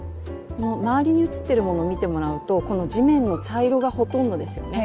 周りに写ってるものを見てもらうとこの地面の茶色がほとんどですよね。